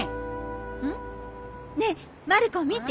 うん？ねえまる子見て。